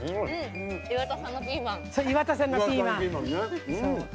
岩田さんのピーマン。